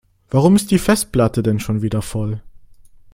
Warum ist die Festplatte denn schon wieder voll?